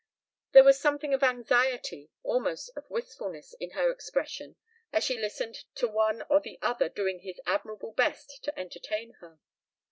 There was something of anxiety, almost of wistfulness, in her expression as she listened to one or the other doing his admirable best to entertain her.